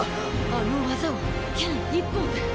あの技を剣一本で。